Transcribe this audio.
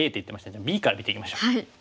じゃあＢから見ていきましょう。